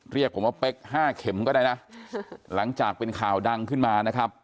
เรียกผมว่าเป๊กห้าเข็มก็ได้นะหลังจากเป็นข่าวดังขึ้นมานะครับ